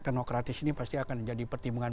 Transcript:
tenokratis ini pasti akan menjadi pertimbangan